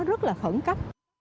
rất là khẩn cấp